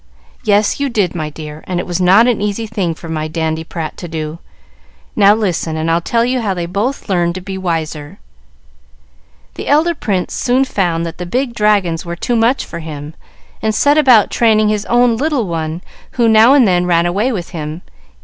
"Yes, you did, my dear; and it was not an easy thing for my dandiprat to do. Now listen, and I'll tell you how they both learned to be wiser. The elder prince soon found that the big dragons were too much for him, and set about training his own little one, who now and then ran away with him.